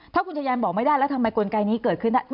ถ้าคุณชายันบอกไม่ได้แล้วทำไมกลไกนี้เกิดขึ้นได้